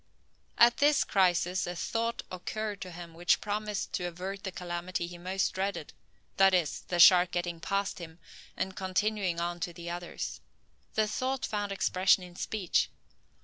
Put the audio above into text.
At this crisis a thought occurred to him which promised to avert the calamity he most dreaded, that is, the shark getting past him, and continuing on to the others. The thought found expression in speech.